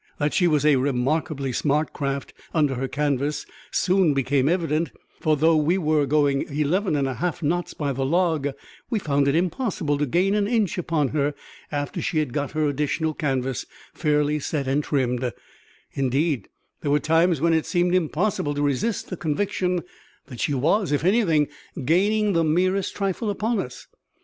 That she was a remarkably smart craft under her canvas soon became evident, for though we were going eleven and a half knots by the log, we found it impossible to gain an inch upon her after she had got her additional canvas fairly set and trimmed; indeed, there were times when it seemed impossible to resist the conviction that she was, if anything, gaining the merest trifle upon us.